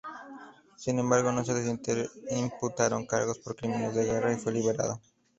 Sin embargo, no se le imputaron cargos por crímenes de guerra y fue liberado.